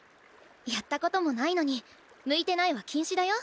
やったこともないのに「向いてない」は禁止だよ。